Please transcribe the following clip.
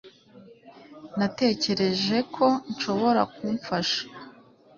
Natekereje ko nshobora kumfasha